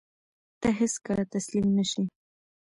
ته هېڅکله تسلیم نه شې.